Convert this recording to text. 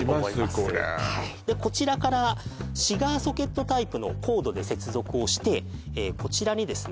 これはいこちらからシガーソケットタイプのコードで接続をしてこちらにですね